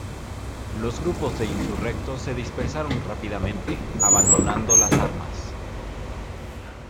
Los grupos de insurrectos se dispersaron rápidamente, abandonando las armas.